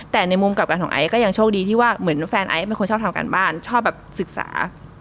แต่ในมุมกลับกันของไอซ์ก็ยังโชคดีที่ว่าเหมือนแฟนไอซ์เป็นคนชอบทำการบ้านชอบแบบศึกษา